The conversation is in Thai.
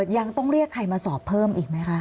ยังต้องเรียกใครมาสอบเพิ่มอีกไหมคะ